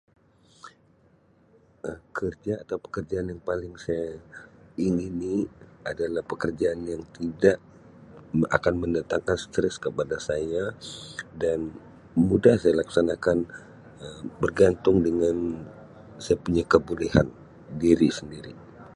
Um Kerja atau pekerjan yang paling saya ingini adalah pekerjaan yang tidak me akan mendatangkan stress kepada saya dan mudah saya laksanakan Um bergantung dengan saya punya kebolehan diri. [unintelligible]